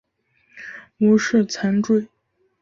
无饰蚤缀